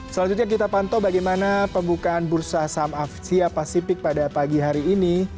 selanjutnya kita pantau bagaimana pembukaan bursa saham asia pasifik pada pagi hari ini